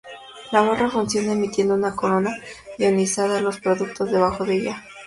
La barra funciona emitiendo una corona ionizada a los productos debajo de ella.